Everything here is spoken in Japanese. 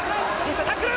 タックル。